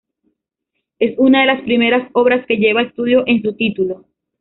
Es una de las primeras obras que lleva "estudio" en su título.